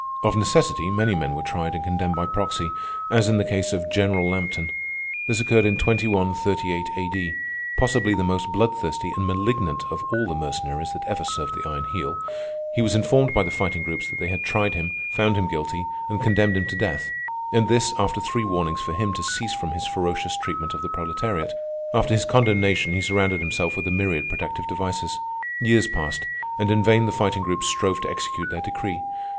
Of necessity, many men were tried and condemned by proxy, as in the case of General Lampton. This occurred in 2138 A.D. Possibly the most bloodthirsty and malignant of all the mercenaries that ever served the Iron Heel, he was informed by the Fighting Groups that they had tried him, found him guilty, and condemned him to death—and this, after three warnings for him to cease from his ferocious treatment of the proletariat. After his condemnation he surrounded himself with a myriad protective devices. Years passed, and in vain the Fighting Groups strove to execute their decree.